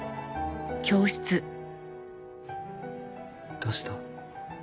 どうした？